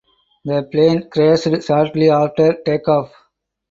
The plane crashed shortly after takeoff.